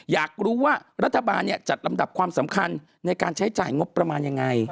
อยากรู้ว่ารัฐบาลจัดลำดับความสำคัญในการใช้จ่ายงบประมาณยังไง